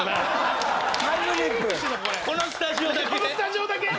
このスタジオだけ？